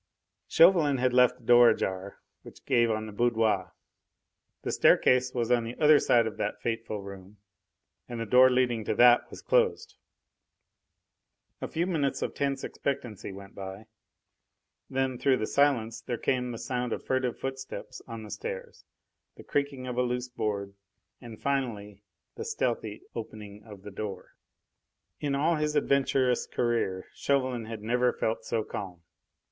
Chauvelin had left the door ajar which gave on the boudoir. The staircase was on the other side of that fateful room, and the door leading to that was closed. A few minutes of tense expectancy went by. Then through the silence there came the sound of furtive foot steps on the stairs, the creaking of a loose board and finally the stealthy opening of the door. In all his adventurous career Chauvelin had never felt so calm.